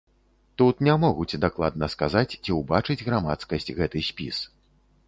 Тут не могуць дакладна сказаць, ці ўбачыць грамадскасць гэты спіс.